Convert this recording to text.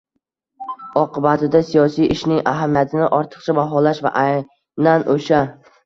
oqibatida siyosiy ishning ahamiyatini ortiqcha baholash va aynan o‘sha